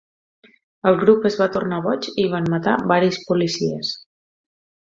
El grup es va tornar boig i van matar varis policies.